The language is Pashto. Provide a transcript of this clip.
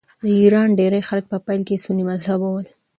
د ایران ډېری خلک په پیل کې سني مذهبه ول.